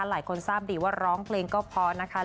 หลายคนทราบดีว่าร้องเพลงก็เพราะนะคะ